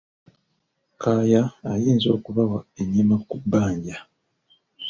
Kaaya ayinza okubawa ennyama ku bbanja.